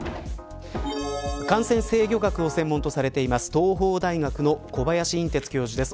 感染制御学を専門とされている東邦大学の小林寅てつ教授です。